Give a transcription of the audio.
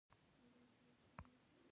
انا د نرمو خبرو خزانه ده